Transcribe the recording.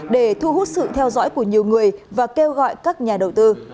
để thu hút sự theo dõi của nhiều người và kêu gọi các nhà đầu tư